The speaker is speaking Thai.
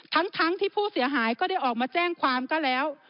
ทั้งที่ผู้เสียหายก็ได้ออกมาแจ้งความก็แล้ว